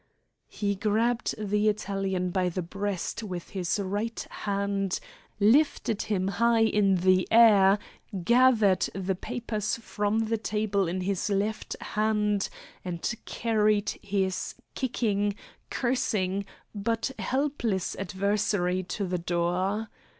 He grabbed the Italian by the breast with his right hand, lifted him high in the air, gathered the papers from the table in his left hand, and carried his kicking, cursing, but helpless adversary to the door.